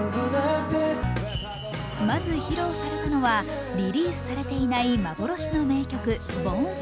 まず披露されたのはリリースされていない幻の名曲「ＢｏｒｎＳｉｎｇｅｒ」。